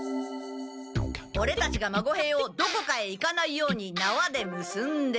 オレたちが孫兵をどこかへ行かないようになわでむすんで。